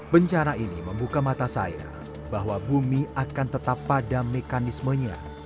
bencana ini membuka mata saya bahwa bumi akan tetap pada mekanismenya